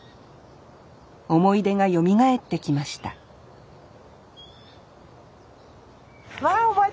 思い出がよみがえってきましたわ